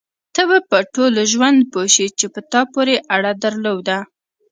ته به په ټول ژوند پوه شې چې په تا پورې اړه درلوده.